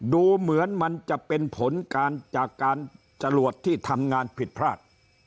ดูเหมือนมันจะเป็นผลการจากการจรวดที่ทำงานผิดพลาด